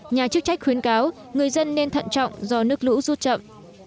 nhà chức trách khuyến cáo người dân nên thận trọng do nước lũ rút chậm